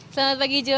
selamat pagi jo